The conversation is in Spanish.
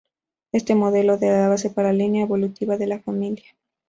Este modelo es la base para la línea evolutiva de la familia.